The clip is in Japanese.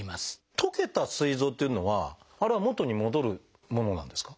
溶けたすい臓っていうのはあれは元に戻るものなんですか？